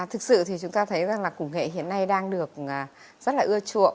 thực sự thì chúng ta thấy rằng là công nghệ hiện nay đang được rất là ưa chuộng